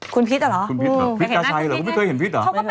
คุณพิษเหรออยากเห็นหน้าคุณพิษพิษกาชัยเหรอเขาไม่เคยเห็นพิษเหรอ